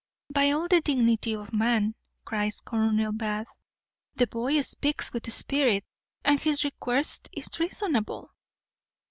"By all the dignity of man," cries Colonel Bath, "the boy speaks with spirit, and his request is reasonable."